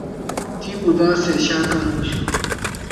تی بُودا سے شا کم ہُوشُو۔